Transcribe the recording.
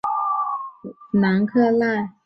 南克赖。